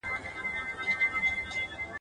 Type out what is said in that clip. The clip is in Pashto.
دومره ښه او لوړ آواز وو خدای ورکړی ..